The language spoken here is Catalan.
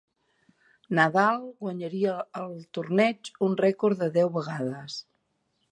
Nadal guanyaria el torneig un rècord de deu vegades.